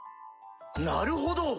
なるほど！